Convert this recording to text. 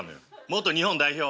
元日本代表。